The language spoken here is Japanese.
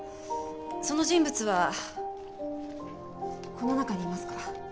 その人物はこの中にいますか？